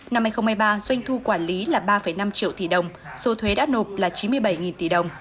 năm hai nghìn một mươi ba doanh thu quản lý là ba năm triệu tỷ đồng số thuế đã nộp là chín mươi bảy tỷ đồng